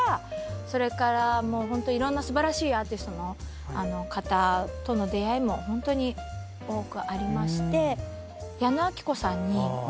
それからいろんな素晴らしいアーティストの方との出会いもホントに多くありまして。